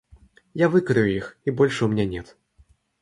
Я выкурю их, и больше у меня нет.